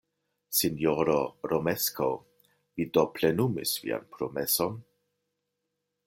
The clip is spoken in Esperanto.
Sinjoro Romeskaŭ, vi do plenumis vian promeson?